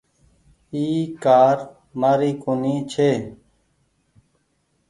اي ڪآر مآري ڪونيٚ ڇي۔